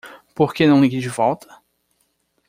Por que não liguei de volta?